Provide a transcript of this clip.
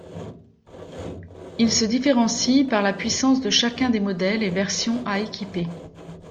Ils se différentient par la puissance de chacun des modèles et versions à équiper.